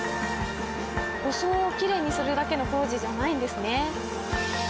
装をきれいにするだけの工事じゃないんですね。